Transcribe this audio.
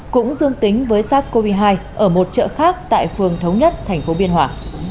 cũng dương tính với sars cov hai ở một chợ khác tại phường thống nhất thành phố biên hòa